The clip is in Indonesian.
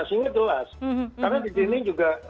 sehingga jelas karena di sini juga